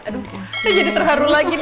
aduh saya jadi terharu lagi nih